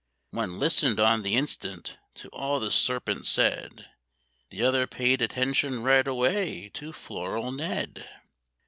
One listened on the instant to all the Serpent said; The other paid attention right away to Floral Ned.